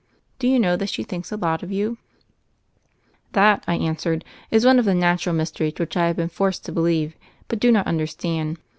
Do you know that she thinks a lot of you ?" "That," I answered, "is one of the natural mysteries which I have been forced to believe, but do not understand.